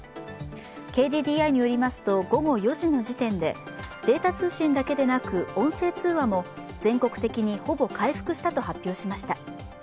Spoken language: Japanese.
ＫＤＤＩによりますと午後４時の時点でデータ通信だけでなく、音声通話も全国的にほぼ回復したと発表しました。